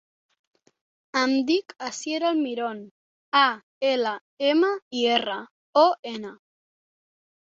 Em dic Asier Almiron: a, ela, ema, i, erra, o, ena.